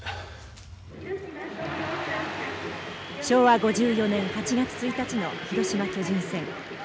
昭和５４年８月１日の広島巨人戦。